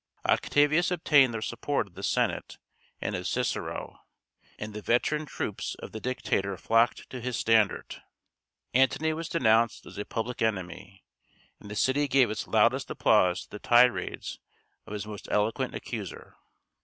Octavius obtained the support of the Senate and of Cicero; and the veteran troops of the dictator flocked to his standard. Antony was denounced as a public enemy; and the city gave its loudest applause to the tirades of his most eloquent accuser.